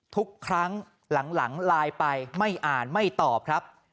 ทุกครั้งหลังไลน์ไปไม่อ่านไม่ตอบครับ